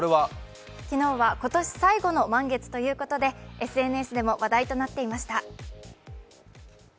昨日は今年最後の満月ということで、ＳＮＳでも話題となっていました。